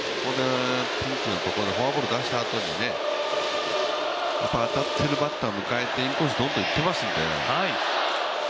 フォアボールを出したあとに当たっているバッターを迎えてインコース、どんどんいっていますからね。